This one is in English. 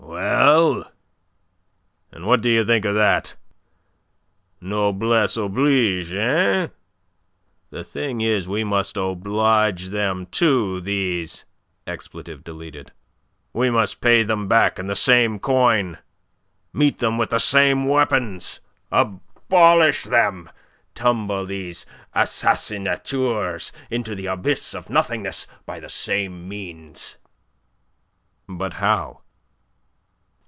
"Well? And what do you think of that? Noblesse oblige, eh? The thing is we must oblige them too, these s. We must pay them back in the same coin; meet them with the same weapons. Abolish them; tumble these assassinateurs into the abyss of nothingness by the same means." "But how?"